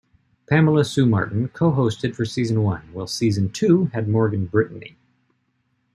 Pamela Sue Martin co-hosted for Season One, while Season Two had Morgan Brittany.